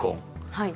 はい。